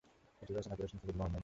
এটি রচনা করেছেন খালিদ মোহাম্মদ।